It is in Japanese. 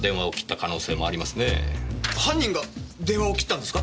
犯人が電話を切ったんですか？